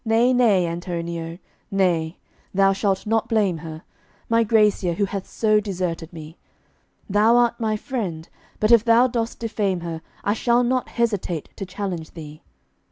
Nay, nay, Antonio! nay, thou shalt not blame her, My Gracia, who hath so deserted me. Thou art my friend, but if thou dost defame her I shall not hesitate to challenge thee.